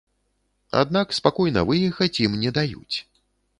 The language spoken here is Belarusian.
Аднак спакойна выехаць ім не даюць.